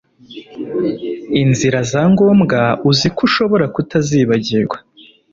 Inzira zangombwa uzi ko ushobora kutazibagirwa